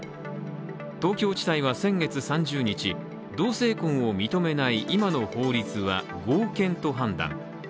東京地裁は先月３０日、同性婚を認めない今の法律は合憲と判断。